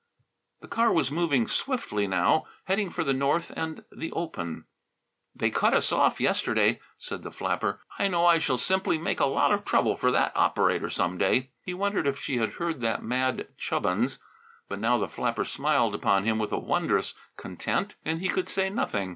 The car was moving swiftly now, heading for the north and the open. "They cut us off yesterday," said the flapper. "I know I shall simply make a lot of trouble for that operator some day." He wondered if she had heard that mad "Chubbins!" But now the flapper smiled upon him with a wondrous content, and he could say nothing.